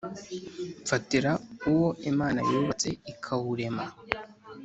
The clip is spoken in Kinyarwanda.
mfatira uwo imana yubatse ikawurema